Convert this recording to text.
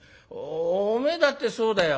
おお前だってそうだよ。